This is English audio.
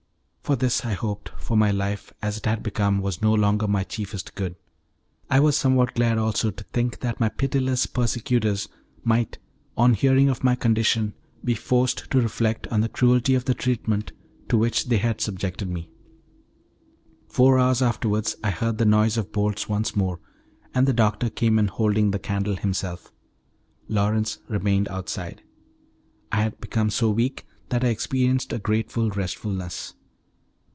For this I hoped, for my life as it had become was no longer my chiefest good. I was somewhat glad also to think that my pitiless persecutors might, on hearing of my condition, be forced to reflect on the cruelty of the treatment to which they had subjected me. Four hours afterwards I heard the noise of bolts once more, and the doctor came in holding the candle himself. Lawrence remained outside. I had become so weak that I experienced a grateful restfulness.